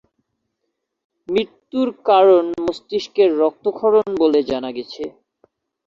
মৃত্যুর কারণ মস্তিষ্কের রক্তক্ষরণ বলে জানা গেছে।